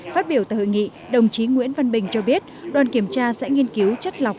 phát biểu tại hội nghị đồng chí nguyễn văn bình cho biết đoàn kiểm tra sẽ nghiên cứu chất lọc